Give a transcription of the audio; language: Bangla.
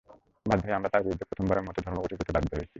বাধ্য হয়ে আমরা তাঁর বিরুদ্ধে প্রথমবারের মতো ধর্মঘটে যেতে বাধ্য হয়েছি।